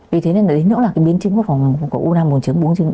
vì thế nên đến lúc là biến chứng của phòng ngủ của u năng buồng trứng